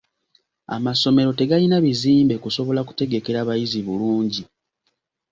Amasomero tegalina bizimbe kusobola kutegekera bayizi bulungi.